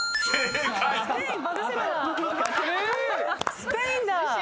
「スペイン」だ！